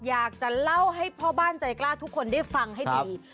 อยากจะเล่าให้พ่อบ้านใจกล้าทุกคนได้ฟังให้ดี